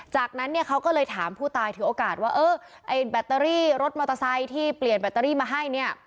จากนั้นเนี่ยเขาก็เลยถามผู้ตายถือโอกาสว่าเออไอ้แบตเตอรี่รถมอเตอร์ไซค์ที่เปลี่ยนแบตเตอรี่มาให้เนี่ย